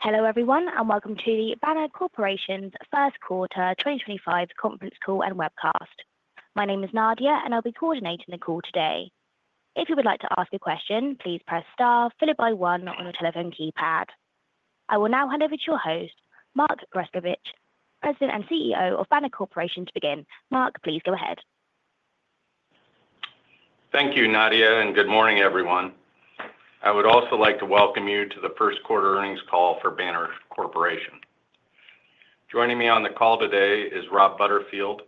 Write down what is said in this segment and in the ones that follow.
Hello everyone, and welcome to the Banner Corporation's First Quarter 2025 Conference Call and Webcast. My name is Nadia and I'll be coordinating the call today. If you would like to ask a question, please press star followed by one on your telephone keypad. I will now hand over to your host, Mark Grescovich, President and CEO of Banner Corporation, to begin. Mark, please go ahead. Thank you, Nadia and good morning everyone. I would also like to welcome you to the first quarter earnings call for Banner Corporation. Joining me on the call today is Rob Butterfield,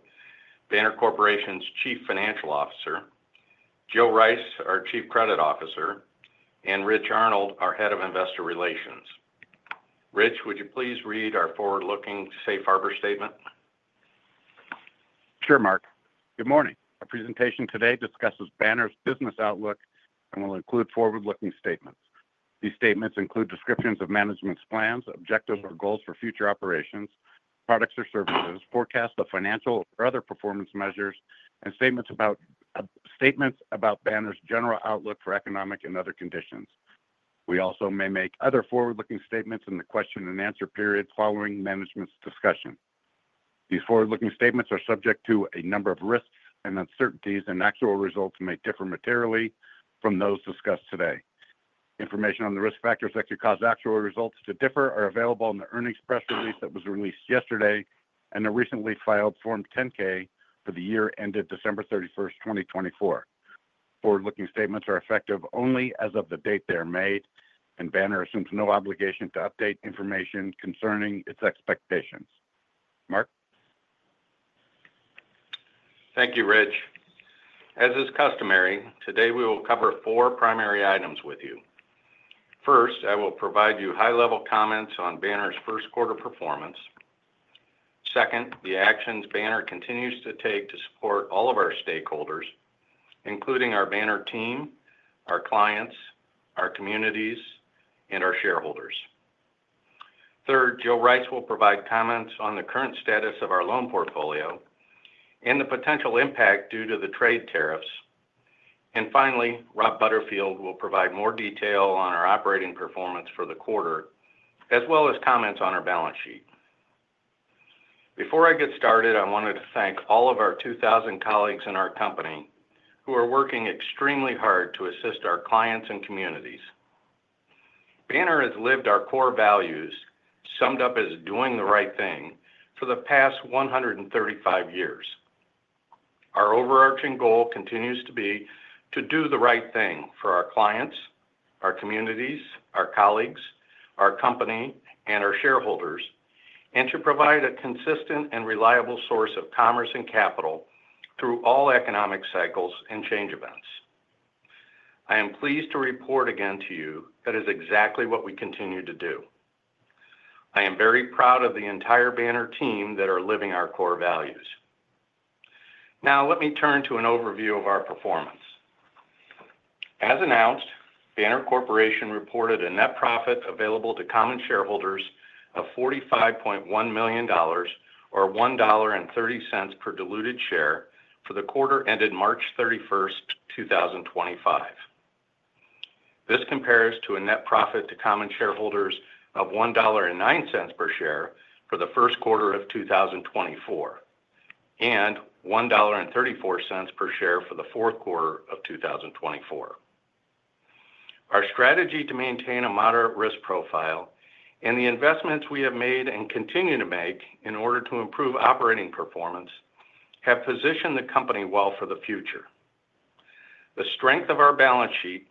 Banner Corporation's Chief Financial Officer, Jill Rice, our Chief Credit Officer, and Rich Arnold, our Head of Investor Relations. Rich, would you please read our forward-looking Safe Harbor statement? Sure, Mark. Good morning. Our presentation today discusses Banner's business outlook and will include forward-looking statements. These statements include descriptions of management's plans, objectives or goals for future operations, products or services, forecast of financial or other performance measures and statements about Banner's general outlook for economic and other conditions. We also may make other forward-looking statements in the question and answer period following Management's discussion. These forward-looking statements are subject to a number of risks and uncertainties and actual results may differ materially from those discussed today. Information on the risk factors that could cause actual results to differ are available in the earnings press release that was released yesterday and the recently filed Form 10-K for the year ended December 31st, 2024. Forward-looking statements are effective only as of the date they are made and Banner assumes no obligation to update information concerning its expectations. Mark. Thank you, Rich. As is customary today, we will cover four primary items with you. First, I will provide you high level comments on Banner's first quarter performance. Second, the actions Banner continues to take to support all of our stakeholders, including our Banner team, our clients, our communities, and our shareholders. Third, Jill Rice will provide comments on the current status of our loan portfolio and the potential impact due to the trade tariffs. Finally, Rob Butterfield will provide more detail on our operating performance for the quarter as well as comments on our balance sheet. Before I get started, I wanted to thank all of our 2,000 colleagues in our company who are working extremely hard to assist our clients and communities. Banner has lived our core values summed up as doing the right thing for the past 135 years. Our overarching goal continues to be to do the right thing for our clients, our communities, our colleagues, our company, and our shareholders and to provide a consistent and reliable source of commerce and capital through all economic cycles and change events. I am pleased to report again to you that is exactly what we continue to do. I am very proud of the entire Banner team that are living our core values. Now let me turn to an overview of our performance. As announced, Banner Corporation reported a net profit available to common shareholders of $45.1 million or $1.30 per diluted share for the quarter ended March 31st, 2025. This compares to a net profit to common shareholders of $1.09 per share for the first quarter of 2024 and $1.34 per share for the fourth quarter of 2024. Our strategy to maintain a moderate risk profile and the investments we have made and continue to make in order to improve operating performance have positioned the company well for the future. The strength of our balance sheet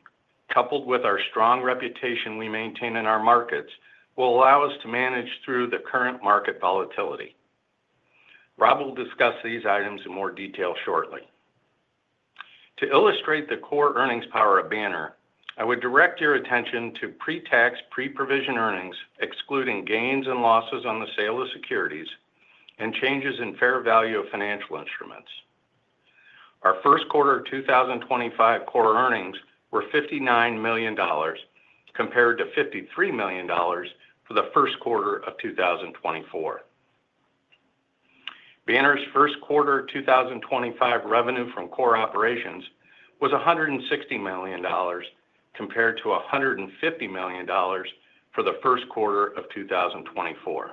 coupled with our strong reputation we maintain in our markets will allow us to manage through the current market volatility. Rob will discuss these items in more detail shortly. To illustrate the core earnings power of Banner, I would direct your attention to pre-tax, pre-provision earnings excluding gains and losses on the sale of securities, changes in fair value of financial instruments. Our first quarter 2025 quarter earnings were $59 million compared to $53 million for the first quarter of 2024. Banner's first quarter 2025 revenue from core operations was $160 million compared to $150 million for the first quarter of 2024.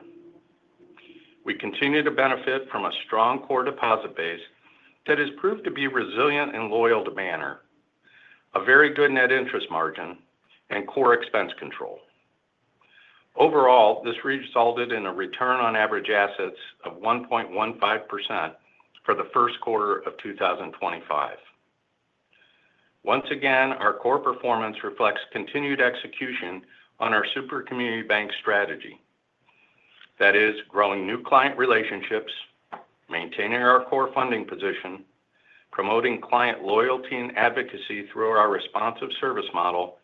We continue to benefit from a strong core deposit base that has proved to be resilient and loyal to Banner, a very good net interest margin and core expense control. Overall, this resulted in a return on average assets of 1.15% for the first quarter of 2025. Once again, our core performance reflects continued execution on our super community bank strategy that is growing new client relationships, maintaining our core funding position, promoting client loyalty and advocacy through our responsive service model,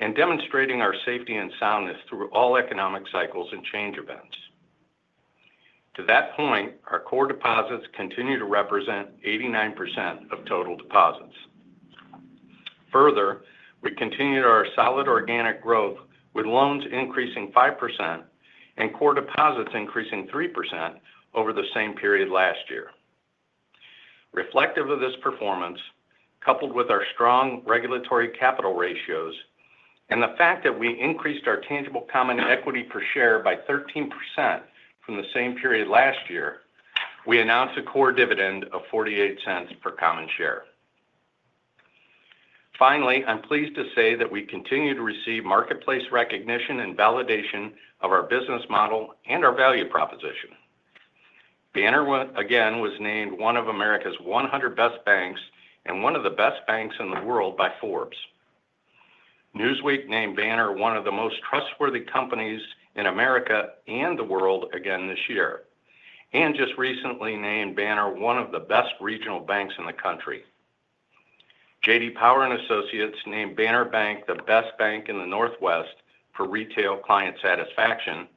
and demonstrating our safety and soundness through all economic cycles and change events. To that point, our core deposits continue to represent 89% of total deposits. Further, we continued our solid organic growth with loans increasing 5% and core deposits increasing 3% over the same period last year. Reflective of this performance, coupled with our strong regulatory capital ratios and the fact that we increased our tangible common equity per share by 13% from the same period last year, we announced a core dividend of $0.48 per common share. Finally, I'm pleased to say that we continue to receive marketplace recognition and validation of our business model and our value proposition. Banner again was named one of America's 100 Best Banks and one of the best banks in the world by Forbes. Newsweek named Banner one of the most trustworthy companies in America and the world again this year and just recently named Banner one of the best regional banks in the country. J.D. Power and Associates named Banner Bank the best bank in the Northwest for retail client satisfaction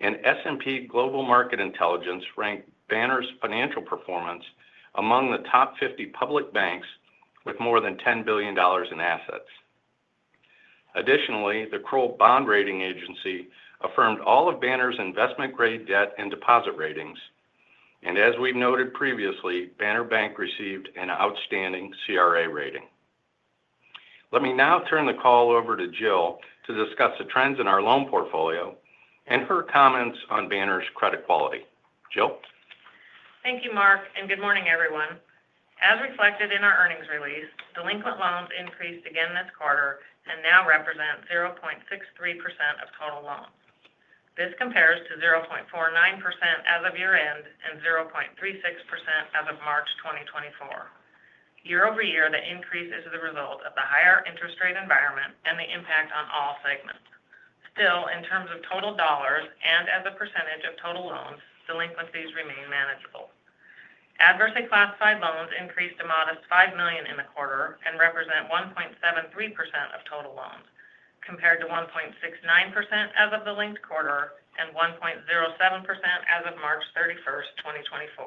and S&P Global Market Intelligence ranked Banner's financial performance among the top 50 public banks with more than $10 billion in assets. Additionally, the Kroll Bond Rating Agency affirmed all of Banner's investment grade debt and deposit ratings and as we've noted previously, Banner Bank received an outstanding CRA rating. Let me now turn the call over to Jill to discuss the trends in our loan portfolio and her comments on Banner's credit quality. Jill. Thank you, Mark, and good morning, everyone. As reflected in our earnings release, delinquent loans increased again this quarter and now represent 0.63% of total loans. This compares to 0.49% as of year end and 0.36% as of March 2024. Year-over-year, the increase is the result of the higher interest rate environment and the impact on all segments. Still, in terms of total dollars and as a percentage of total loans, delinquencies remain manageable. Adversely classified loans increased a modest $5 million in the quarter and represent 1.73% of total loans compared to 1.69% as of the linked quarter and 1.07% as of March 31st, 2024.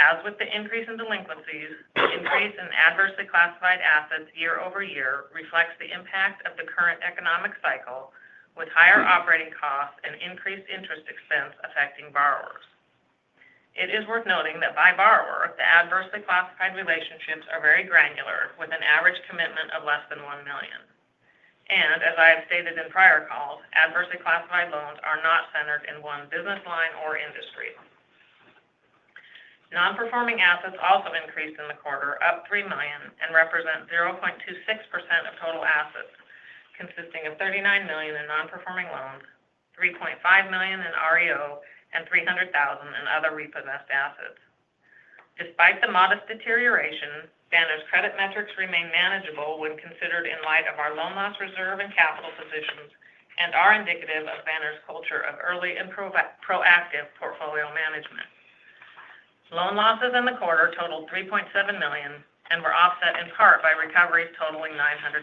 As with the increase in delinquencies, the increase in adversely classified assets year-over-year reflects the impact of the current economic cycle with higher operating costs and increased interest expense affecting borrowers. It is worth noting that by borrower the adversely classified relationships are very granular with an average commitment of less than $1 million and as I have stated in prior calls, adversely classified loans are not centered in one business line or industry. Non-performing assets also increased in the quarter, up $3 million, and represent 0.26% of total assets consisting of $39 million in non-performing loans, $3.5 million in REO, and $300,000 in other repossessed assets. Despite the modest deterioration, Banner's credit metrics remain manageable when considered in light of our loan loss reserve and capital positions and are indicative of Banner's culture of early and proactive portfolio management. Loan losses in the quarter totaled $3.7 million and were offset in part by recoveries totaling $900,000.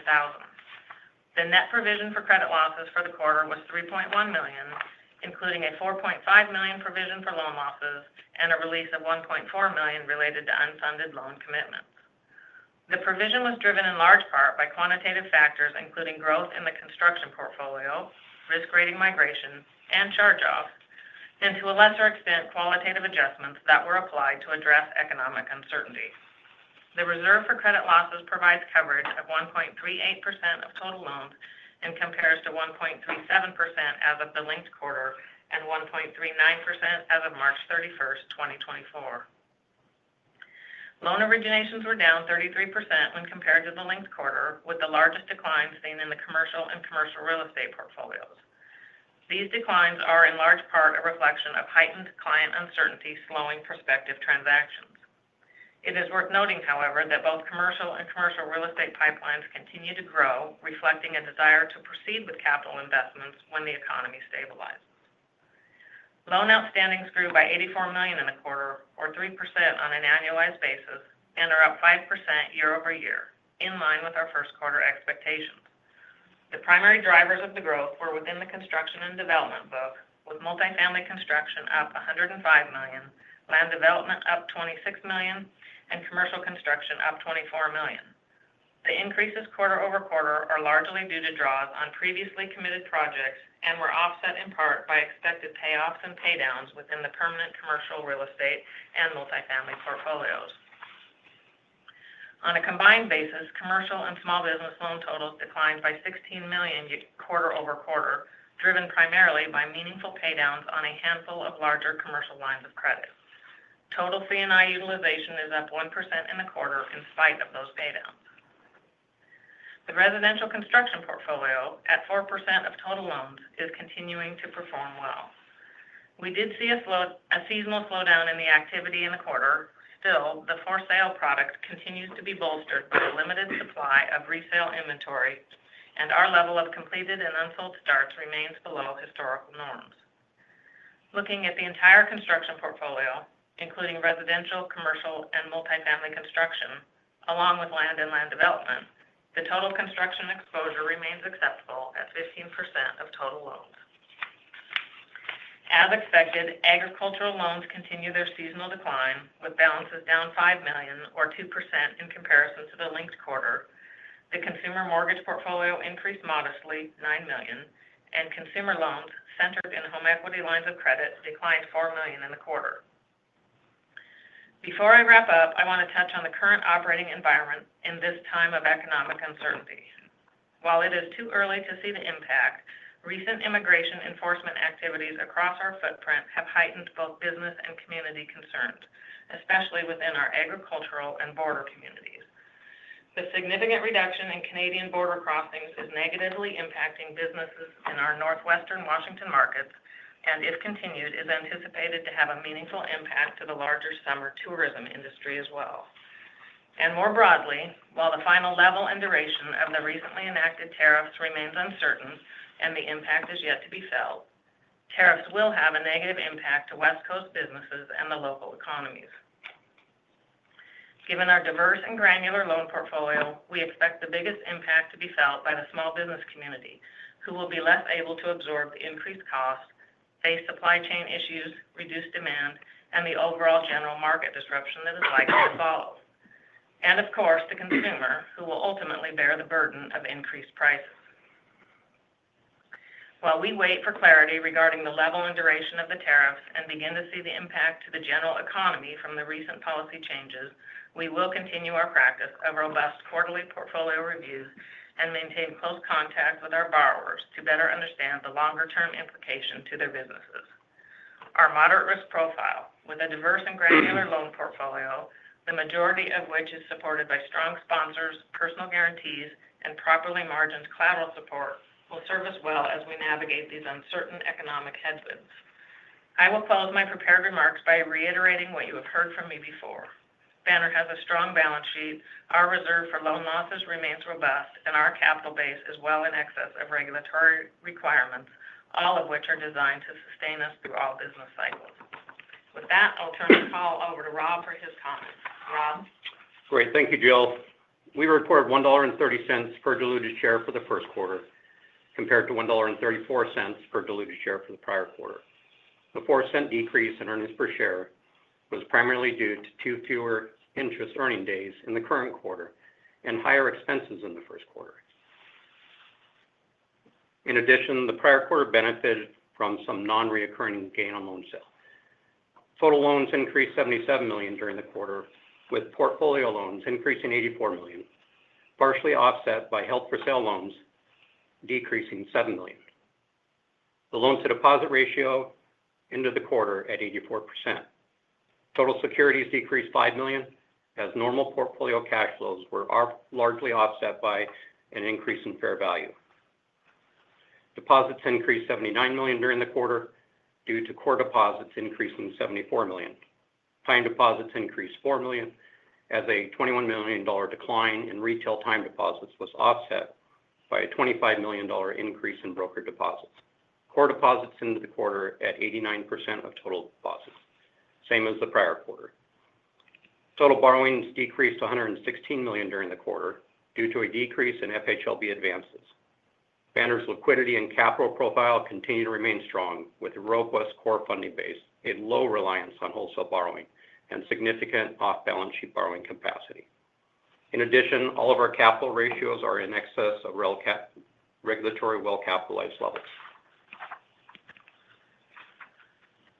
The net provision for credit losses for the quarter was $3.1 million, including a $4.5 million provision for loan losses and a release of $1.4 million related to unfunded loan commitments. The provision was driven in large part by quantitative factors, including growth in the construction portfolio, risk rating, migration and charge offs, and to a lesser extent, qualitative adjustments that were applied to address economic uncertainty. The reserve for credit losses provides coverage of 1.38% of total loans and compares to 1.37% as of the linked quarter and 1.39% as of March 31st, 2024. Loan originations were down 33% when compared to the linked quarter, with the largest decline seen in the commercial and commercial real estate portfolios. These declines are in large part a reflection of heightened client uncertainty slowing prospective transactions. It is worth noting, however, that both commercial and commercial real estate pipelines continue to grow, reflecting a desire to proceed with capital investments when the economy stabilizes. Loan outstandings grew by $84 million in the quarter or 3% on an annualized basis and are up 5% year-over-year in line with our first quarter expectations. The primary drivers of the growth were within the construction and development book, with multifamily construction up $105 million, land development up $26 million and commercial construction up $24 million. The increases quarter-over-quarter are largely due to draws on previously committed projects and were offset in part by expected payoffs and pay downs within the permanent commercial real estate and multifamily portfolios. On a combined basis, commercial and small business loan totals declined by $16 million quarter-over-quarter, driven primarily by meaningful paydowns on a handful of larger commercial lines of credit. Total C&I utilization is up 1% in the quarter. In spite of those paydowns, the residential construction portfolio at 4% of total loans is continuing to perform well. We did see a seasonal slowdown in the activity in the quarter. Still, the for sale product continues to be bolstered by a limited supply of resale inventory, and our level of completed and unsold starts remains below historical norms. Looking at the entire construction portfolio, including residential, commercial and multifamily construction, along with land and land development, the total construction exposure remains acceptable at 15% of total loans. As expected, agricultural loans continue their seasonal decline with balances down $5 million or 2% in comparison to the linked quarter. The consumer mortgage portfolio increased modestly $9 million, and consumer loans centered in home equity lines of credit declined $4 million in the quarter. Before I wrap up, I want to touch on the current operating environment in this time of economic uncertainty. While it is too early to see the impact, recent immigration enforcement activities across our footprint have heightened both business and community concerns, especially within our agricultural and border communities. The significant reduction in Canadian border crossings is negatively impacting businesses in our northwestern Washington markets and if continued, is anticipated to have a meaningful impact to the larger summer tourism industry as well and more broadly. While the final level and duration of the recently enacted tariffs remains uncertain and the impact is yet to be felt, tariffs will have a negative impact to West Coast businesses and the local economies. Given our diverse and granular loan portfolio, we expect the biggest impact to be felt by the small business community who will be less able to absorb the increased costs, face supply chain issues, reduced demand and the overall general market disruption that is likely to follow, and of course the consumer who will ultimately bear the burden of increased prices. While we wait for clarity regarding the level and duration of the tariffs and begin to see the impact to the general economy from the recent policy changes, we will continue our practice of robust quarterly portfolio reviews and maintain close contact with our borrowers to better understand the longer term implication to their businesses. Our moderate risk profile with a diverse and granular loan portfolio, the majority of which is supported by strong sponsors, personal guarantees and properly margined collateral support, will serve us well as we navigate these uncertain economic headwinds. I will close my prepared remarks by reiterating what you have heard from me before. Banner has a strong balance sheet, our reserve for loan losses remains robust and our capital base is well in excess of regulatory requirements, all of which are designed to sustain us through all business cycles. With that, I'll turn the call over to Rob for his comments. Rob. Great. Thank you Jill. We reported $1.30 per diluted share for the first quarter compared to $1.34 per diluted share for the prior quarter. The $0.04 decrease in earnings per share was primarily due to two fewer interest earning days in the current quarter and higher expenses in the first quarter. In addition, the prior quarter benefited from some non-recurring gain on loan sale. Total loans increased $77 million during the quarter with portfolio loans increasing $84 million partially offset by held-for-sale loans decreasing $7 million. The loan to deposit ratio ended the quarter at 84%. Total securities decreased $5 million as normal portfolio cash flows were largely offset by an increase in fair value. Deposits increased $79 million during the quarter due to core deposits increasing $74 million. Time deposits increased $4 million as a $21 million decline in retail time deposits was offset by a $25 million increase in broker deposits. Core deposits ended the quarter at 89% of total deposits, same as the prior quarter. Total borrowings decreased $116 million during the quarter due to a decrease in FHLB advances. Banner's liquidity and capital profile continue to remain strong with a robust core funding base, a low reliance on wholesale borrowing, and significant off balance sheet borrowing capacity. In addition, all of our capital ratios are in excess of regulatory well capitalized levels.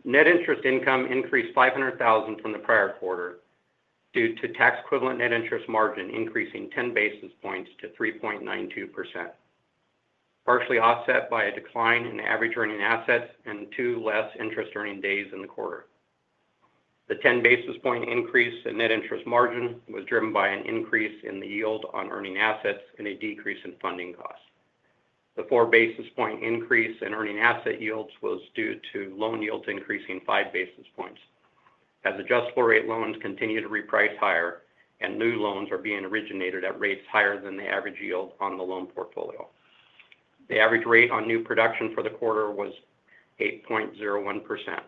Net interest income increased $500,000 from the prior quarter due to tax-equivalent net interest margin increasing 10 basis points to 3.92%, partially offset by a decline in average earning assets and two less interest earning days in the quarter. The 10 basis point increase in net interest margin was driven by an increase in the yield on earning assets and a decrease in funding costs. The 4 basis point increase in earning asset yields was due to loan yields increasing 5 basis points as adjustable rate loans continue to reprice higher and new loans are being originated at rates higher than the average yield on the loan portfolio. The average rate on new production for the quarter was 8.01%.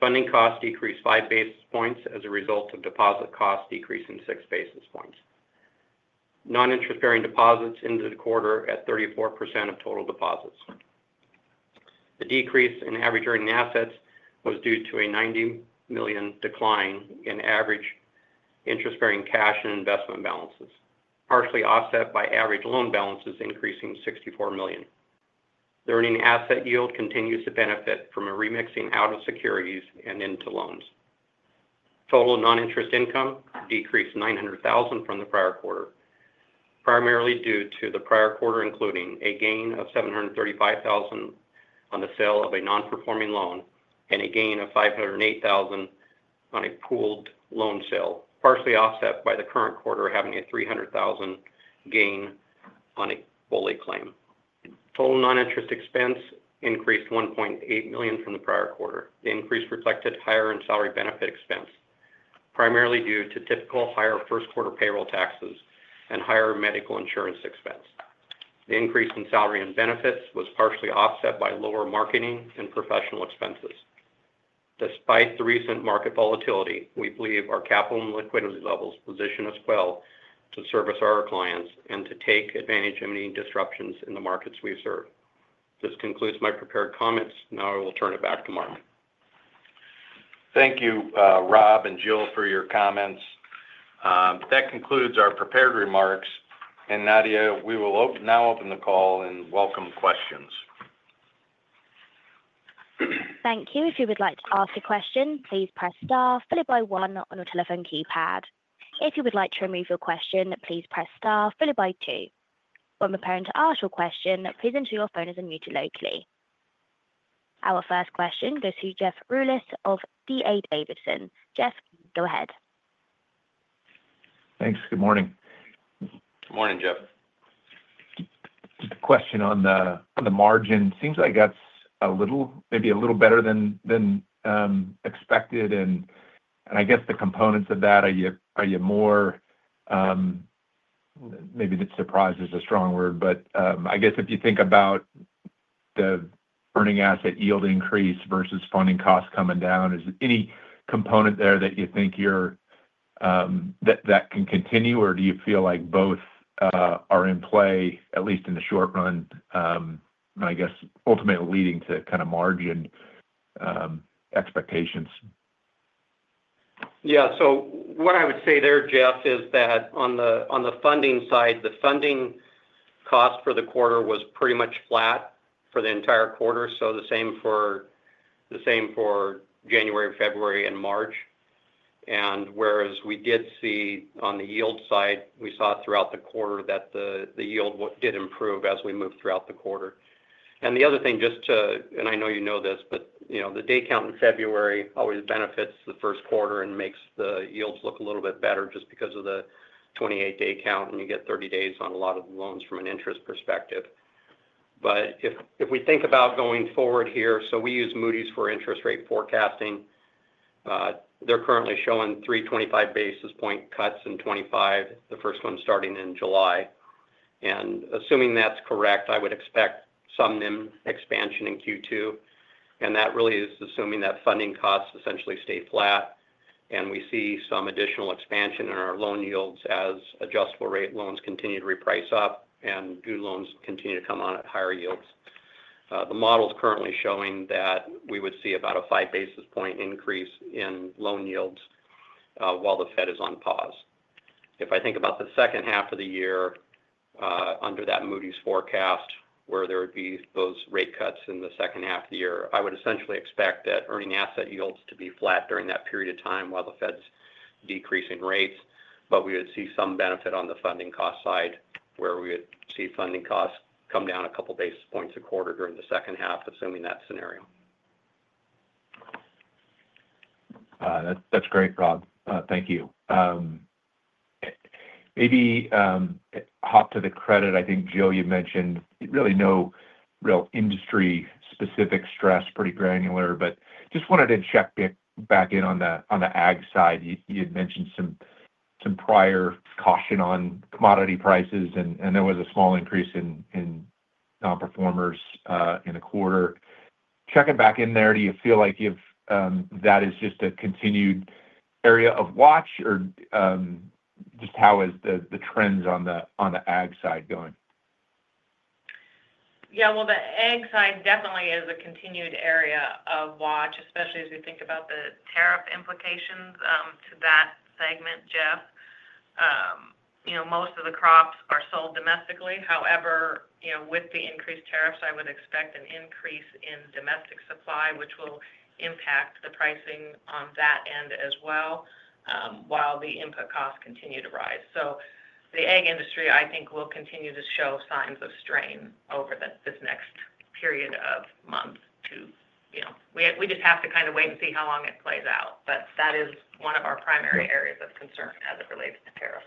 Funding costs decreased 5 basis points as a result of deposit costs decreasing 6 basis points. Non-interest bearing deposits ended the quarter at 34% of total deposits. The decrease in average earning assets was due to a $90 million decline in average interest bearing cash and investment balances partially offset by average loan balances increasing $64 million. The earning asset yield continues to benefit from a remixing out of securities and into loans. Total non-interest income decreased $900,000 from the prior quarter primarily due to the prior quarter including a gain of $735,000 on the sale of a non-performing loan and a gain of $508,000 on a pooled loan sale, partially offset by the current quarter having a $300,000 gain on a BOLI claim. Total non-interest expense increased $1.8 million from the prior quarter. The increase reflected higher in salary benefit expense primarily due to typical higher first quarter payroll taxes and higher medical insurance expense. The increase in salary and benefits was partially offset by lower marketing and professional expenses. Despite the recent market volatility, we believe our capital and liquidity levels position us well to service our clients and to take advantage of any disruptions in the markets we serve. This concludes my prepared comments. Now I will turn it back to Mark. Thank you Rob and Jill for your comments. That concludes our prepared remarks and Nadia. We will now open the call and welcome questions. Thank you. If you would like to ask a question, please press star followed by one on your telephone keypad. If you would like to remove your question, please press star followed by two. When preparing to ask your question, please enter your phone as unmuted locally. Our first question goes to Jeff Rulis of D.A. Davidson. Jeff, go ahead. Thanks. Good morning. Good morning, Jeff. Question on the margin seems like that's a little, maybe a little better than expected. I guess the components of that are you, are you more. Maybe that surprise is a strong word. I guess if you think about the earning asset yield increase versus funding costs coming down, is any component there that you think that can continue or do you feel like both are in play at least in the short run? I guess ultimately leading to kind of margin expectations? Yeah. What I would say there Jeff, is that on the funding side, the funding cost for the quarter was pretty much flat for the entire quarter. The same for January, February and March. Whereas we did see on the yield side, we saw throughout the quarter that the yield did improve as we move throughout the quarter. The other thing just to, and I know you know this, but you know the day count in February always benefits the first quarter and makes the yields look a little bit better just because of the 28 day count. You get 30 days on a lot of loans from an interest perspective. If we think about going forward here, we use Moody's for interest rate forecasting, they're currently showing 325 basis point cuts in 2025, the first one starting in July. Assuming that's correct, I would expect some NIM expansion in Q2. That really is assuming that funding costs essentially stay flat and we see some additional expansion in our loan yields as adjustable rate loans continue to reprice up and new loans continue to come on at higher yields. The model is currently showing that we would see about a 5 basis point increase in loan yields while the Fed is on pause. If I think about the second half of the year under that Moody's forecast where there would be those rate cuts in the second half of the year, I would essentially expect that earning asset yields to be flat during that period of time while the Fed's decreasing rates. We would see some benefit on the funding cost side where we would see funding costs come down a couple basis points a quarter during the second half, assuming that scenario. That's great, Rob, thank you. Maybe hop to the credit. I think Jill, you mentioned really no real industry specific stress, pretty granular, but just wanted to check back in. On the Ag side you mentioned some prior caution on commodity prices and there was a small increase in non-performers in a quarter. Checking back in there, do you feel like if that is just a continued area of watch or just how is the trends on the, on the Ag side going? Yeah, the Ag side definitely is a continued area of watch, especially as we think about the tariff implications to that segment. Jeff, you know, most of the crops are sold domestically. However, you know, with the increased tariffs, I would expect an increase in domestic supply which will impact the pricing on that end as well while the input costs continue to rise. The Ag industry I think will continue to show signs of strain over this next period of months too, you know, we just have to kind of wait and see how long it plays out. That is one of our primary areas of concern as it relates to tariffs.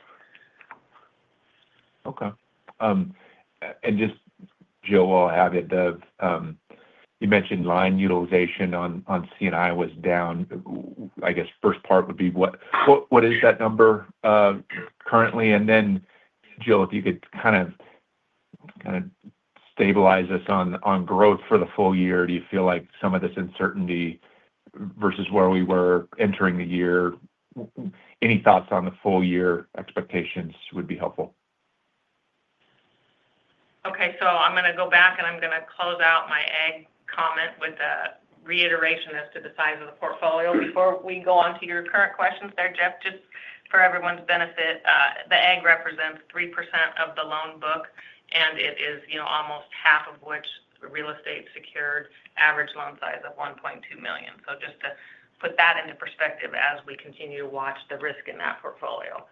Okay. Jill, while I have you. You mentioned line utilization on C&I was down. I guess first part would be what is that number currently? Jill, if you could kind of stabilize us on growth for the full year, do you feel like some of this uncertainty versus where we were entering the year? Any thoughts on the full year expectations would be helpful. Okay, I'm going to go back and I'm going to close out my Ag comment with a reiteration as to the size of the portfolio. Before we go on to your current questions there, Jeff, just for everyone's benefit, the Ag represents 3% of the loan book and it is, you know, almost half of which real estate secured. Average loan size of $1.2 million. Just to put that into perspective as we continue to watch the risk in that portfolio,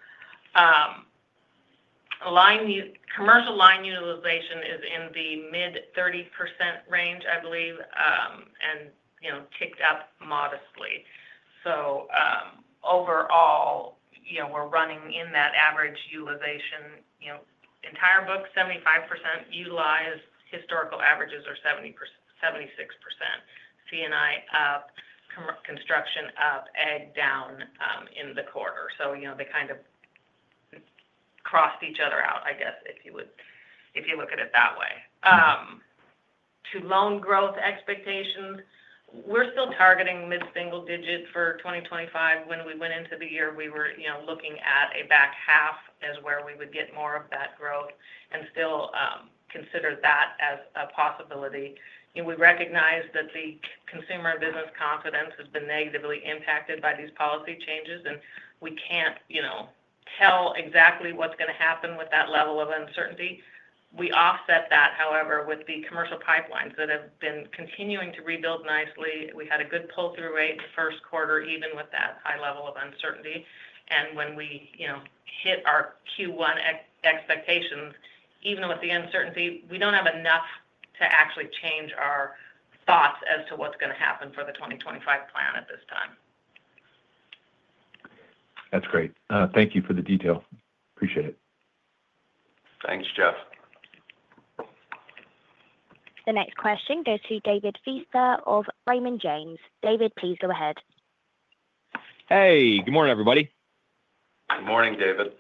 commercial line utilization is in the mid 30% range, I believe, and ticked up modestly. Overall we're running in that average utilization, entire book, 75% utilized. Historical averages are 70%, 76% C&I up, construction up, Ag down in the quarter. You know, they kind of crossed each other out I guess if you would, if you look at it that way. To loan growth expectations, we're still targeting mid single digit for 2025. When we went into the year, we were, you know, looking at a back half as where we would get more of that growth and still consider that as a possibility. We recognize that the consumer and business confidence has been negatively impacted by these policy changes and we can't tell exactly what's going to happen with that level of uncertainty. We offset that, however, with the commercial pipelines that have been continuing to rebuild nicely. We had a good pull through rate in the first quarter even with that high level of uncertainty. When we, you know, hit our Q1 expectations, even with the uncertainty, we do not have enough to actually change our thoughts as to what is going to happen for the 2025 plan at this time. That's great. Thank you for the detail. Appreciate it. Thanks, Jeff. The next question goes to David Feaster of Raymond James. David, please go ahead. Hey, good morning, everybody. Good morning, David.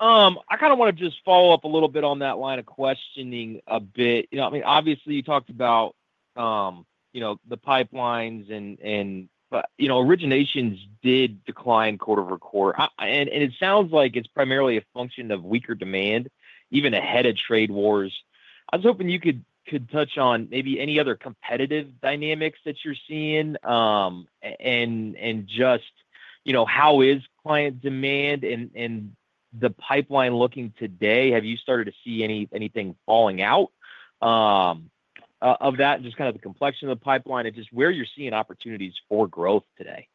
I kind of want to just follow-up a little bit on that line of questioning a bit. You know, I mean, obviously you talked about, you know, the pipelines and, and, but you know, originations did decline quarter-over-quarter, and it sounds like it's primarily a function of weaker demand even ahead of trade wars. I was hoping you could touch on, maybe any other competitive dynamics that you're seeing, and just, you know, how is client demand and the pipeline looking today? Have you started to see anything falling out of that? Just kind of the complexion of the pipeline and just where you're seeing opportunities for growth today.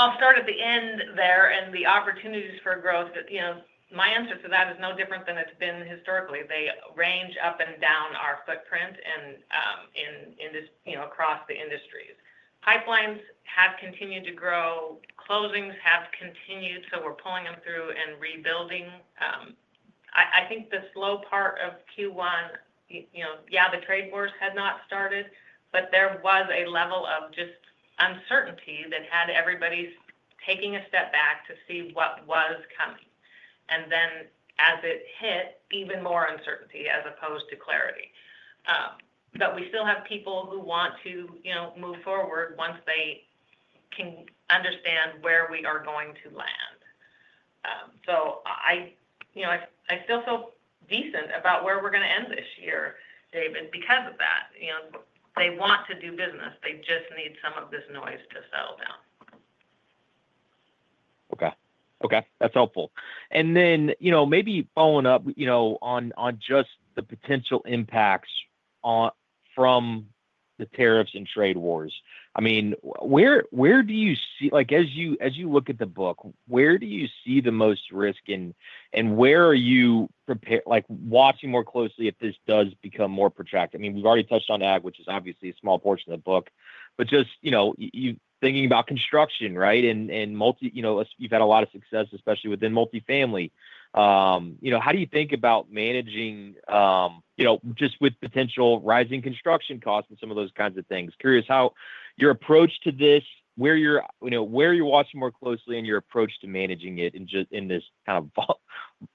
I'll start at the end there and the opportunities for growth. You know, my answer to that is no different than it's been historically. They range up and down our footprint and in this, you know, across the industries, pipelines have continued to grow, closings have continued. We're pulling them through and rebuilding. I think the slow part of Q1, you know, the trade wars had not started, but there was a level of just uncertainty that had everybody taking a step back to see what was coming and then as it hit, even more uncertainty as opposed to clarity. We still have people who want to, you know, move forward once they can understand where we are going to land. I, you know, I still feel so decent about where we're going to end this year, David, because of that, you know, they want to do business. They just need some of this noise to settle down. Okay, okay, that's helpful. You know, maybe following up, you know, on just the potential impacts from the tariffs and trade wars. I mean, where do you see, like, as you look at the book, where do you see the most risk and where are you prepared, like, watching more closely if this does become more protracted? I mean, we've already touched on Ag, which is obviously a small portion of the book, but just, you know, you thinking about construction, right, and multi, you know, you've had a lot of success especially within multifamily. You know, how do you think about managing, you know, just rising construction costs and some of those kinds of things? Curious how your approach to this, where you're, you know, where you're watching more closely and your approach to managing it in just in this kind of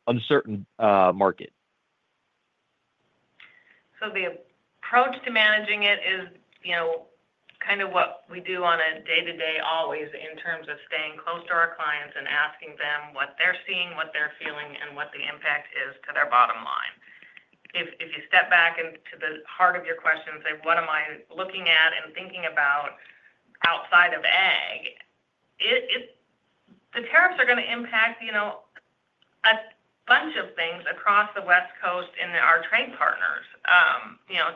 uncertain market. The approach to managing it is, you know, kind of what we do on a day to day. Always in terms of staying close to our clients and asking them what they're seeing, what they're feeling and what the impact is to their bottom line. If you step back into the heart of your question, say what am I looking at and thinking about outside of Ag? The tariffs are going to impact a bunch of things across the West Coast. Our trade partners,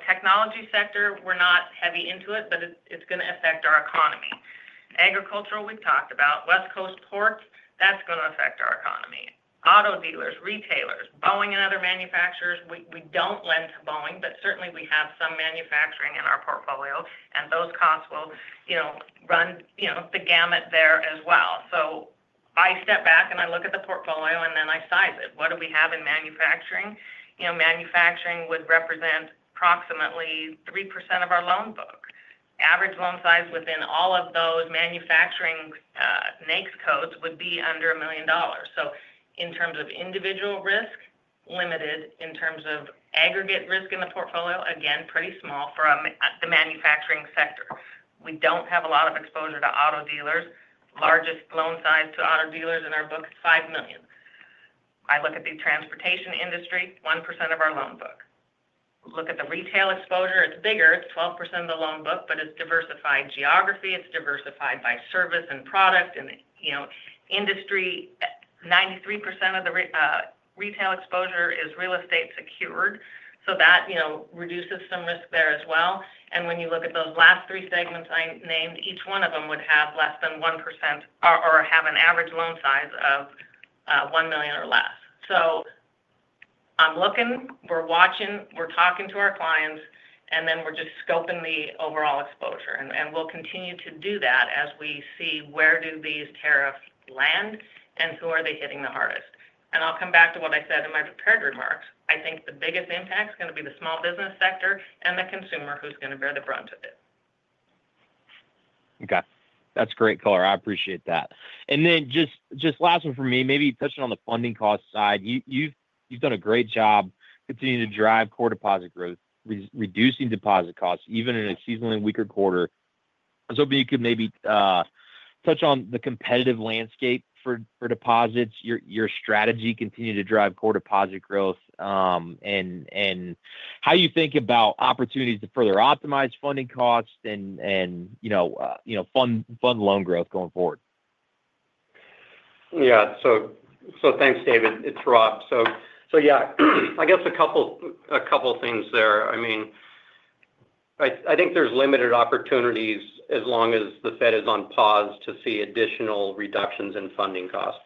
technology sector, we're not heavy into it, but it's going to affect our economy. Agricultural, we've talked about West Coast ports, that's going to affect our economy. Auto dealers, retailers, Boeing and other manufacturers. We don't lend to Boeing, but certainly we have some manufacturing in our portfolio and those costs will run the gamut there as well. I step back and I look at the portfolio and then I size it. What do we have in manufacturing? Manufacturing would represent approximately 3% of our loan book. Average loan size within all of those manufacturing sector NAICS codes would be under $1 million. In terms of individual risk, limited in terms of aggregate risk in the portfolio, again pretty small for the manufacturing sector. We do not have a lot of exposure to auto dealers. Largest loan size to auto dealers in our book is $5 million. I look at the transportation industry, 1% of our loan book. Look at the retail exposure, it is bigger, it is 12% of the loan book. It is diversified geography. It is diversified by service and product and you know, industry. 93% of the retail exposure is real estate secured. That, you know, reduces some risk there as well. When you look at those last three segments I named, each one of them would have less than 1% or have an average loan size of $1 million or less. I am looking, we are watching, we are talking to our clients and then we are just scoping the overall exposure. We will continue to do that as we see where these tariffs land and who they are hitting the hardest. I will come back to what I said in my prepared remarks. I think the biggest impact is going to be the small business sector and the consumer who is going to bear the brunt of it. Okay, that's great color. I appreciate that. Just last one for me, maybe touching on the funding cost side. You've done a great job. Continue to drive core deposit growth, reducing deposit costs even in a seasonally weaker quarter. I was hoping you could maybe touch on the competitive landscape for deposits, your strategy to continue to drive core deposit growth and how you think about opportunities to further optimize funding costs and fund loan growth going forward. Yeah, so. Thanks, David. It's Rob. Yeah, I guess a couple things there. I mean, I think there's limited opportunities as long as the Fed is on pause to see additional reductions in funding cost.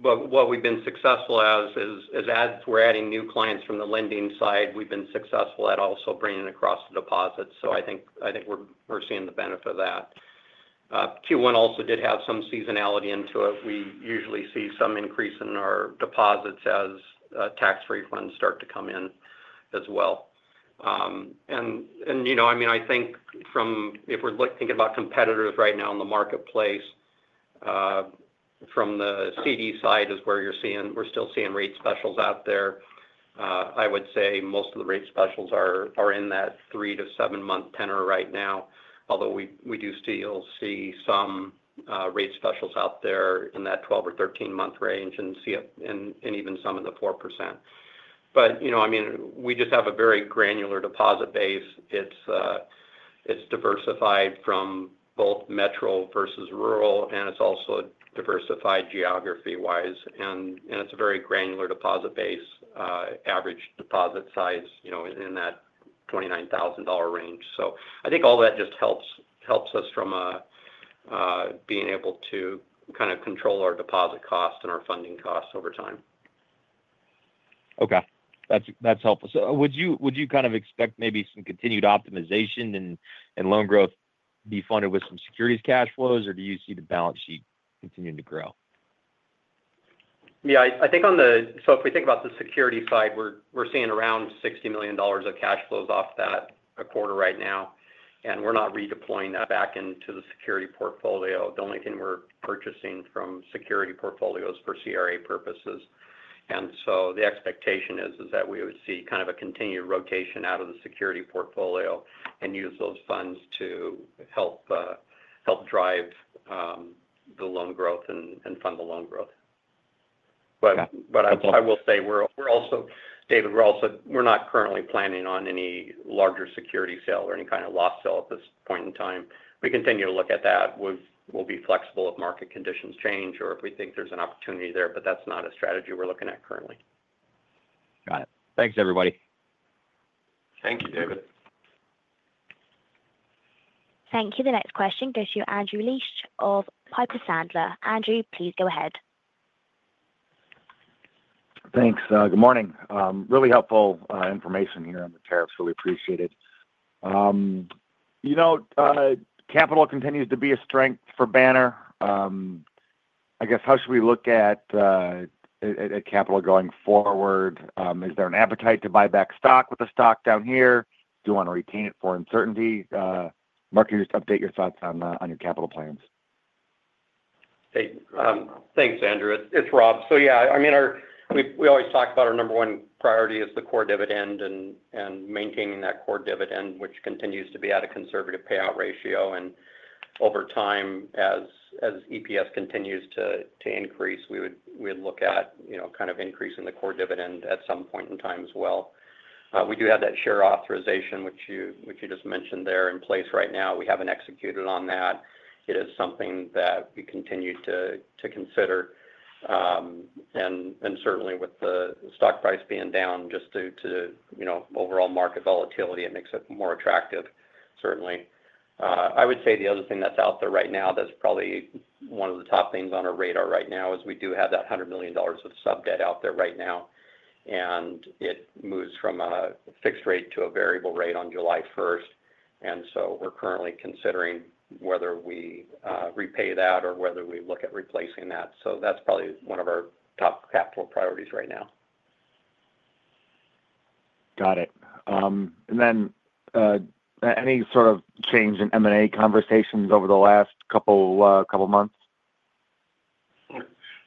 What we've been successful at is as we're adding new clients from the lending side, we've been successful at also bringing across the deposits. I think we're seeing the benefit of that. Q1 also did have some seasonality into it. We usually see some increase in our deposits as tax refunds start to come in as well. You know, I mean, I think if we're thinking about competitors right now in the marketplace, from the CD side is where you're seeing. We're still seeing rate specials out there. I would say most of the rate specials are in that three- to seven-month tenor right now. Although we do still see some rate specials out there in that 12 or 13 month range and see, and even some of the 4%. But you know, I mean we just have a very granular deposit base. It's diversified from both metro versus rural and it's also diversified geography wise and it's a very granular deposit base, average deposit size, you know, in that $29,000 range. So I think all that just helps us from being able to kind of control our deposit cost and our funding costs over time. Okay, that's helpful. Would you kind of expect maybe some continued optimization and loan growth be funded with some securities cash flows or do you see the balance sheet continuing to grow? Yeah, I think on the. If we think about the security side, we're seeing around $60 million of cash flows off that a quarter right now. We're not redeploying that back into the security portfolio. The only thing we're purchasing from security portfolios is for CRA purposes. The expectation is that we would see kind of a continued rotation out of the security portfolio and use those funds to help drive the loan growth and fund the loan growth. I will say, David, we're not currently planning on any larger security sale or any kind of loss sale at this point in time. We continue to look at that. We'll be flexible if market conditions change or if we think there's an opportunity there. That's not a strategy we're looking at currently. Got it. Thanks everybody. Thank you, David. Thank you. The next question goes to Andrew Liesch of Piper Sandler. Andrew, please go ahead. Thanks. Good morning. Really helpful information here on the tariffs. Really appreciated. You know, capital continues to be a strength for Banner, I guess. How should we look at capital going forward? Is there an appetite to buy back stock? With the stock down here, do you want to retain it for uncertainty? Mark, can you just update your thoughts on your capital plans? Thanks, Andrew. It's Rob. Yeah, I mean, we always talk about our number one priority is the core dividend and maintaining that core dividend which continues to be at a conservative payout ratio. Over time, as EPS continues to increase, we would look at kind of increasing the core dividend at some point in time as well. We do have that share authorization which you just mentioned there in place right now. We have not executed on that. It is something that we continue to consider and certainly with the stock price being down just due to, you know, overall market volatility, it makes it more attractive, certainly. I would say the other thing that's out there right now, that's probably one of the top things on our radar right now is we do have that $100 million of sub debt out there right now and it moves from a fixed rate to a variable rate on July 1st. We are currently considering whether we repay that or whether we look at replacing that. That's probably one of our top capital priorities right now. Got it. There been any sort of change in M&A conversations over the last couple months?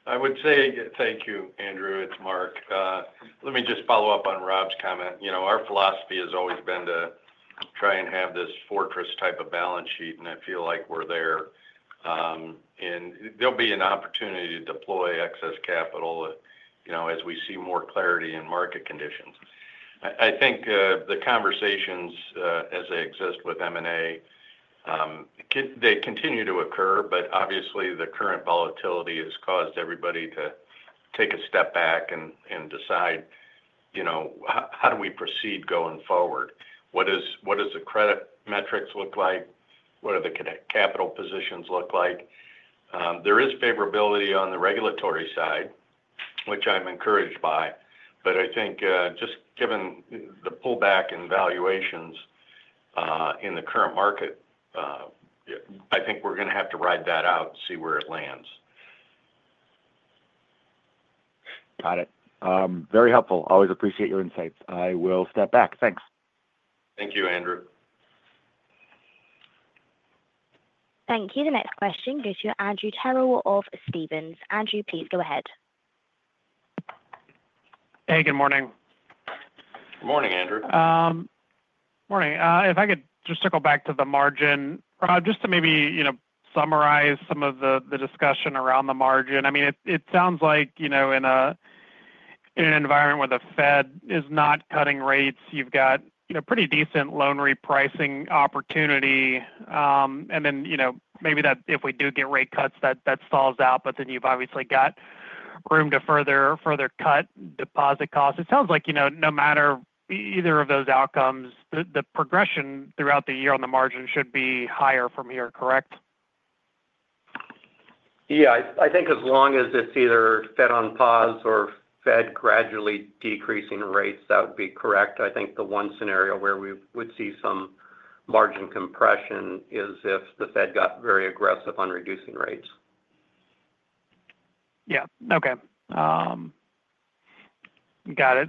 I would say. Thank you, Andrew. It's Mark. Let me just follow-up on Rob's comment. You know, our philosophy has always been to try and have this fortress type of balance sheet. And I feel like we're there and there'll be an opportunity to deploy excess capital, you know, as we see more clarity in market conditions. I think the conversations as they exist with M&A, they continue to occur. Obviously the current volatility has caused everybody to take a step back and decide, you know, how do we proceed going forward? What do the credit metrics look like? What do the capital positions look like? There is favorability on the regulatory side, which I'm encouraged by, but I think just given the pullback in valuations in the current market, I think we're going to have to ride that out, see where it lands. Got it. Very helpful. Always appreciate your insights. I will step back, thanks. Thank you, Andrew. Thank you. The next question goes to Andrew Terrell of Stephens. Andrew, please go ahead. Hey, good morning. Good morning, Andrew. Good morning. If I could just circle back to the margin just to maybe, you know, summarize some of the discussion around the margin. I mean, it sounds like, you know, in a, in an environment where the Fed is not cutting rates, you've got, you know, pretty decent loan repricing opportunity. And then, you know, maybe that if we do get rate cuts that, that stalls out, but then you've obviously got room to further, further cut deposit costs. It sounds like, you know, no matter either of those outcomes, the progression throughout the year on the margin should be higher from here, correct? Yeah, I think as long as it's either Fed on pause or Fed gradually decreasing rates, that would be correct. I think the one scenario where we would see some margin compression is if the Fed got very aggressive on reducing rates. Yeah, okay, got it.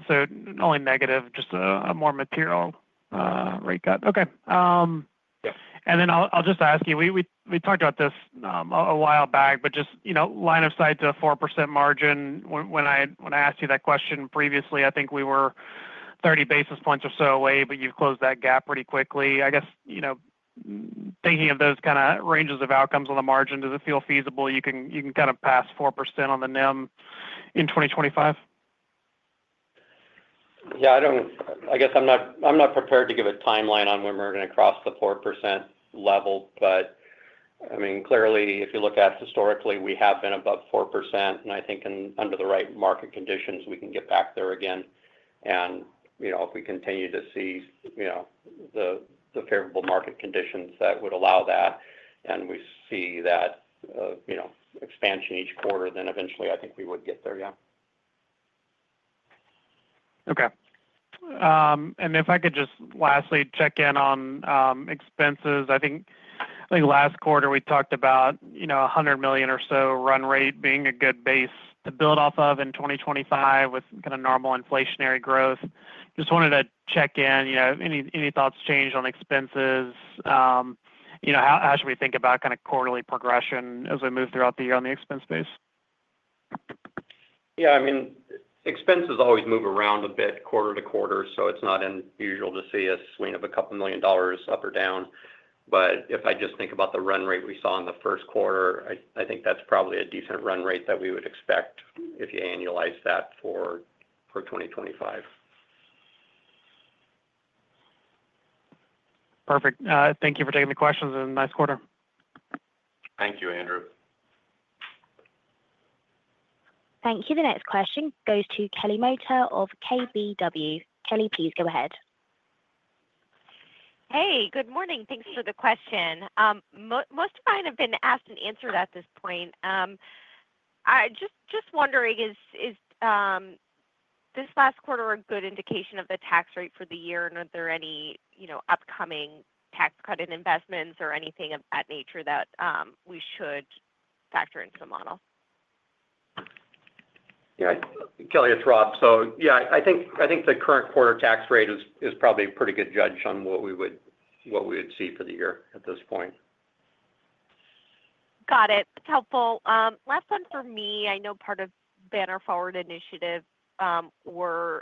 Only negative, just a more material rate cut. Okay. Yeah. I'll just ask you, we talked about this a while back, but just, you know, line of sight to 4% margin. When I asked you that question previously, I think we were 30 basis points or so away. But you've closed that gap pretty quickly, I guess. You know, thinking of those kind of ranges of outcomes on the margin, does it feel feasible you can, you can kind of pass 4% on the NIM in 2025? Yeah, I don't, I guess I'm not prepared to give a timeline on when we're going across the 4% level. I mean, clearly if you look at historically we have been above 4% and I think under the right market conditions, we can get back there again. You know, if we continue to see, you know, the favorable market conditions that would allow that, and we see that, you know, expansion each quarter, then eventually I think we would get there. Yeah. Okay. If I could just lastly check in on expenses, I think last quarter we talked about $100 million or so run rate being a good base to build off of in 2025 with kind of normal inflationary growth. Just wanted to check in. Any thoughts changed on expenses? How should we think about kind of quarterly progression as we move throughout the year on the expense base? Yeah, I mean, expenses always move around a bit quarter-to-quarter, so it's not unusual to see a swing of a couple million dollars up or down. If I just think about the run rate we saw in the first quarter, I think that's probably a decent run rate that we would expect. If you annualize that for 2025. Perfect. Thank you for taking the questions and nice quarter. Thank you, Andrew. Thank you. The next question goes to Kelly Motta of KBW. Kelly, please go ahead. Hey, good morning. Thanks for the question. Most of mine have been asked and answered at this point. Just wondering, is this last quarter a good indication of the tax rate for the year and are there any upcoming tax credit investments or anything of that nature that we should factor into the model? Yeah, Kelly, it's Rob. Yeah, I think the current quarter tax rate is probably a pretty good judge on what we would see for the year at this point. Got it. That's helpful. Last one for me. I know part of Banner Forward initiative, we're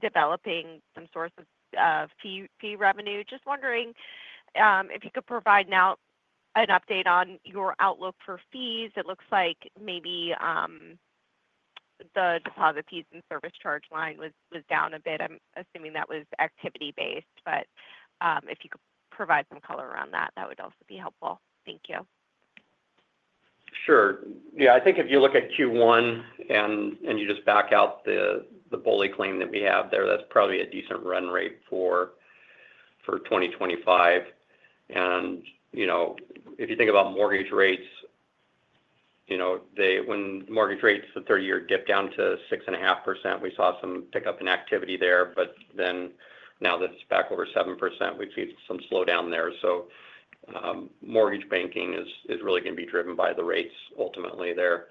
developing some source of fee revenue. Just wondering if you could provide now an update on your outlook for fees. It looks like maybe the deposit fees and service charge line was down a bit. I'm assuming that was activity based, but if you could provide some color around that, that would also be helpful. Thank you. Sure. Yeah, I think if you look at Q1 and you just back out the BOLI claim that we have there, that's probably a decent run rate for 2025. You know, if you think about mortgage rates, you know they, when mortgage rates, the 30 year, dip down to 6.5%, we saw some pickup in activity there. Now that it's back over 7%, we see some slowdown there. Mortgage banking is really going to be driven by the rates ultimately there.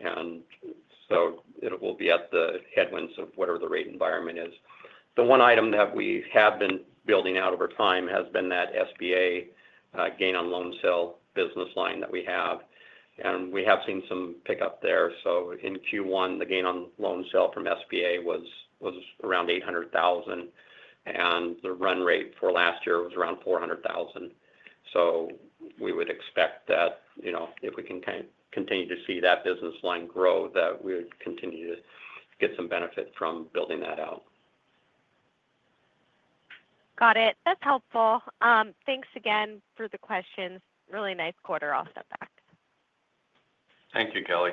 It will be at the headwinds of whatever the rate environment is. The one item that we have been building out over time has been that SBA gain on loan sale business line that we have and we have seen some pickup there. In Q1, the gain on loan sale from SBA was around $800,000 and the run rate for last year was around $400,000. We would expect that, you know, if we can continue to see that business line grow, that we would continue to get some benefit from building that out. Got it. That's helpful. Thanks again for the questions. Really nice quarter. I'll step back. Thank you, Kelly.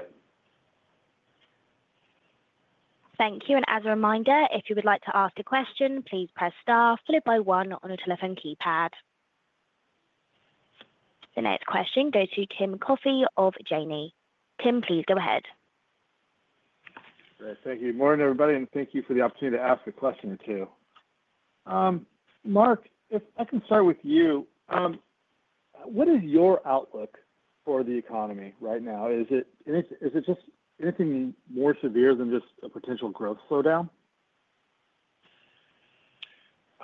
Thank you. As a reminder, if you would like to ask a question, please press star followed by one on a telephone keypad. The next question goes to Tim Coffey of Janney. Tim, please go ahead. Thank you. Good morning everybody and thank you for the opportunity to ask a question or two. Mark, if I can start with you. What is your outlook for the economy right now? Is it just anything more severe than just a potential growth slowdown?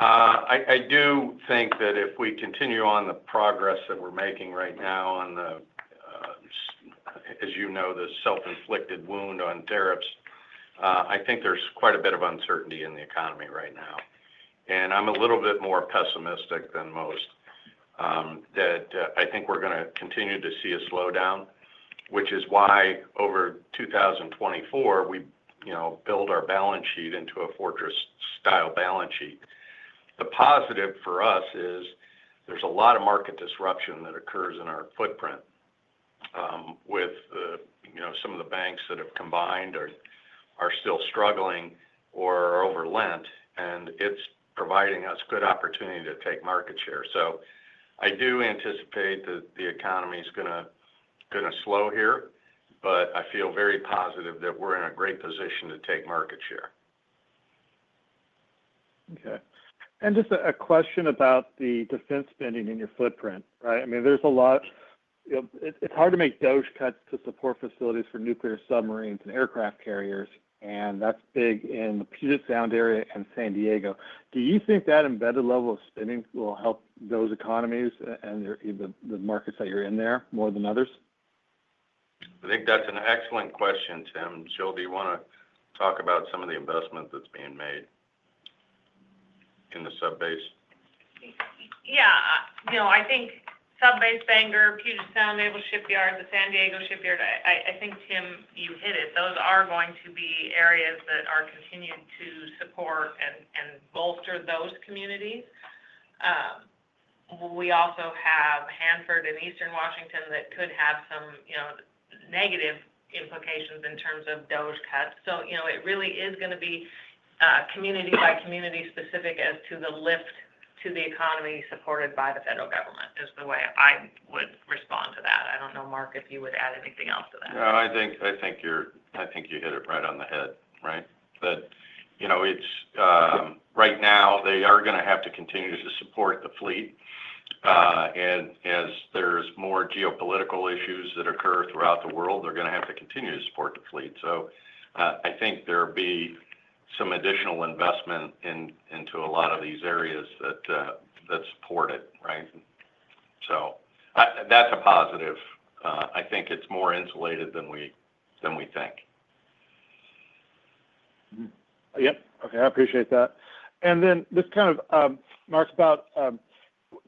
I do think that if we continue on the progress that we're making right now on the, as you know, the self inflicted wound on tariffs. I think there's quite a bit of uncertainty in the economy right now and I'm a little bit more pessimistic than most that I think we're going to continue to see a slowdown, which is why over 2024 we, you know, build our balance sheet into a fortress style balance sheet. The positive for us is there's a lot of market disruption that occurs in our footprint with some of the banks that have combined or are still struggling or over lent and it's providing us good opportunity to take market share. I do anticipate that the economy is going to slow here, but I feel very positive that we're in a great position to take market share. Okay. Just a question about the defense spending in your footprint. Right. I mean there's a lot. It's hard to make those cuts to support facilities for nuclear submarines and aircraft carriers and that's big in the Puget Sound area and San Diego. Do you think that embedded level of spending will help those economies and the markets that you're in there more than others? I think that's an excellent question, Tim. Jill, do you want to talk about some of the investment that's being made in the Sub Base? Yeah, you know, I think Sub Base Bangor, Puget Sound Naval Shipyard, the San Diego shipyard. I think, Tim, you hit it. Those are going to be areas that are continued to support and bolster those communities. We also have Hanford and Eastern Washington that could have some, you know, negative implications in terms of budget cuts. You know, it really is going to be community by community specific as to the lift to the economy supported by the federal government is the way I would respond to that. I don't know, Mark, if you would add anything else to that. I think you hit it right on the head, right. That, you know, right now they are going to have to continue to support the fleet. And as there's more geopolitical issues that occur throughout the world, they're going to have to continue to support the fleet. I think there'd be some additional investment into a lot of these areas that support it. Right. That's a positive. I think it's more insulated than we think. Yep. Okay, I appreciate that. This kind of marks about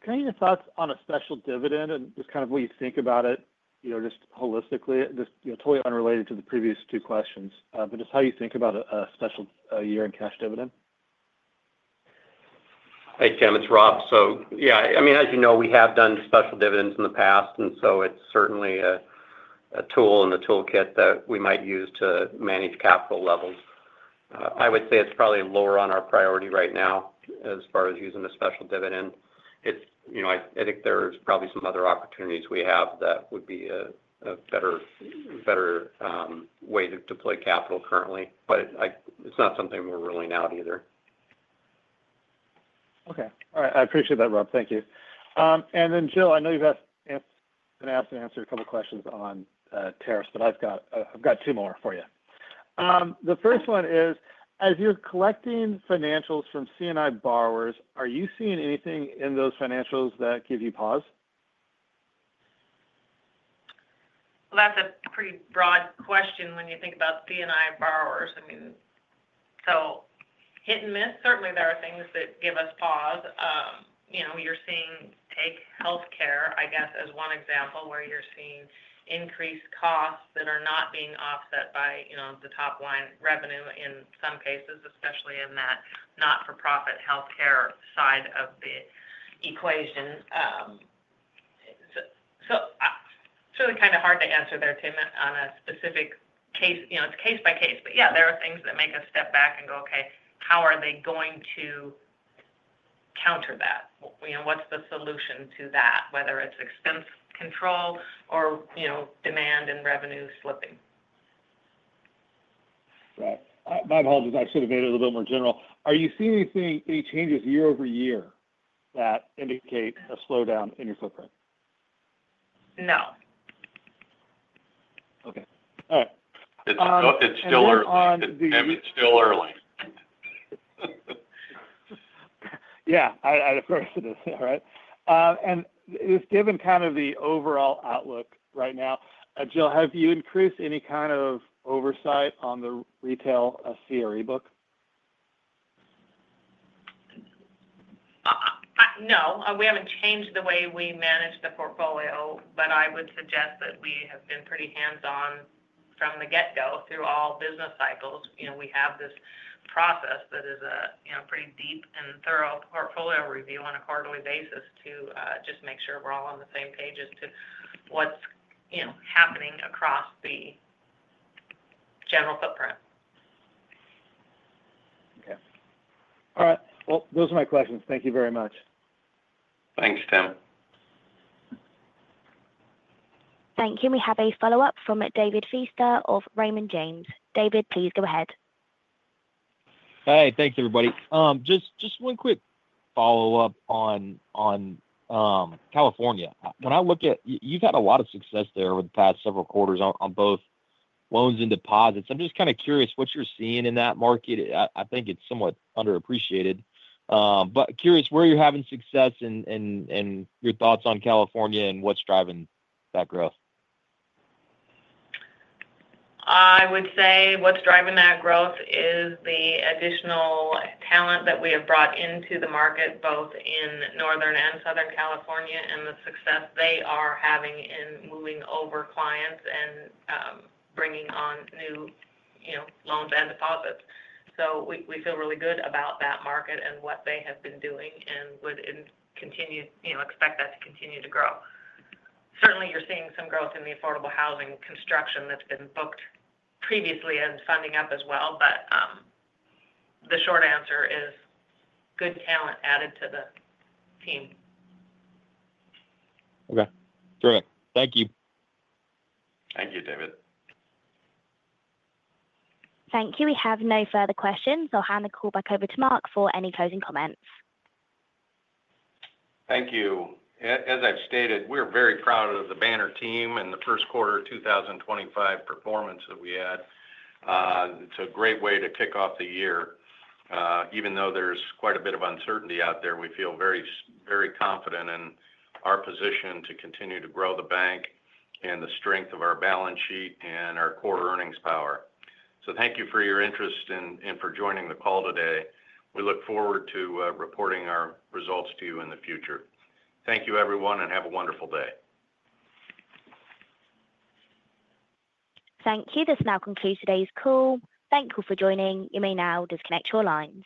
your thoughts on a special dividend and just what you think about it, you know, just holistically, just totally unrelated to the previous two questions. Just how you think about a special year in cash dividend? Hey, Tim, it's Rob. Yeah, I mean, as you know, we have done special dividends in the past and so it's certainly a tool in the toolkit that we might use to manage capital levels. I would say it's probably lower on our priority right now as far as using a special dividend. I think there's probably some other opportunities we have that would be a better way to deploy capital currently, but it's not something we're ruling out either. Okay, I appreciate that, Rob. Thank you. Jill, I know you've been asked and answered a couple questions on tariffs, but I've got two more for you. The first one is, as you're collecting financials from C&I borrowers, are you seeing anything in those financials that give you pause? That's a pretty broad question when you think about C&I borrowers. I mean, so hit and miss. Certainly there are things that give us pause. You know, you're seeing, take health care, I guess as one example where you're seeing increased costs that are not being offset by the top line revenue in some cases, especially in that not-for-profit health care side of the equation. It's really kind of hard to answer there, Tim, on a specific case. You know, it's case by case. Yeah, there are things that make us step back and go, okay, how are they going to counter that? What's the solution to that? Whether it's expense control or demand and revenue slipping. Right. My apologies, I should have made it a little bit more general. Are you seeing anything, any changes year-over-year that indicate a slowdown in your footprint? No. Okay. All right. It's still early. It's still early. Yeah, of course it is. All right. Given kind of the overall outlook right now, Jill, have you increased any kind of oversight on the retail CRE book? No, we haven't changed the way we manage the portfolio, but I would suggest that we have been pretty hands on from the get go through all business cycles. You know, we have this process that is a pretty deep and thorough portfolio review on a quarterly basis to just make sure we're all on the same page as to what's happening across the general footprint. All right, those are my questions. Thank you very much. Thanks, Tim. Thank you. We have a follow-up from David Feaster of Raymond James. David, please go ahead. Hi, thanks everybody. Just one quick follow-up on California. When I look at, you've had a lot of success there over the past several quarters on both loans and deposits. I'm just kind of curious what you're seeing in that market. I think it's somewhat underappreciated but curious where you're having success in your thoughts on California and what's driving that growth. I would say what's driving that growth is the additional talent that we have brought into the market both in Northern and Southern California and the success they are having in moving over clients and bringing on new loans and deposits. We feel really good about that market and what they have been doing and would continue, you know, expect that to continue to grow. Certainly you're seeing some growth in the affordable housing construction that's been booked previously and funding up as well. The short answer is good talent added to the team. Okay, thank you. Thank you, David. Thank you. We have no further questions. I'll hand the call back over to Mark for any closing comments. Thank you. As I've stated, we're very proud of the Banner team in the first quarter 2025 performance, performance that we had. It's a great way to kick off the year. Even though there's quite a bit of uncertainty out there, we feel very, very confident in our position to continue to grow the bank and the strength of our balance sheet and our core earnings power. Thank you for your interest and for joining the call today. We look forward to reporting our results to you in the future. Thank you everyone and have a wonderful day. Thank you. This now concludes today's call. Thank you for joining. You may now disconnect your lines.